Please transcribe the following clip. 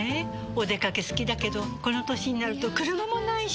お出かけ好きだけどこの歳になると車もないし。